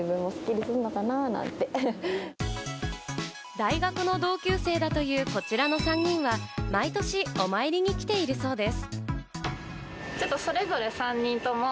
大学の同級生だというこちらの３人は、毎年お参りに来ているそうです。